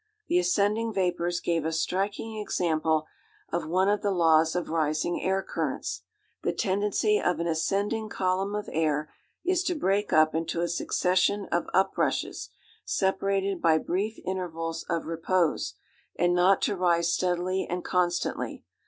The ascending vapors gave a striking example of one of the laws of rising air currents. The tendency of an ascending column of air is to break up into a succession of uprushes, separated by brief intervals of repose, and not to rise steadily and constantly.